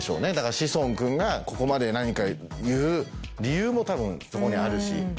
志尊君がここまで言う理由も多分そこにはあるし。